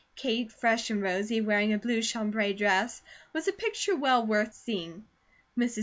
Kate, fresh and rosy, wearing a blue chambray dress, was a picture well worth seeing. Mrs.